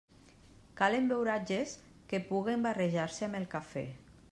Calen beuratges que puguen barrejar-se amb el café.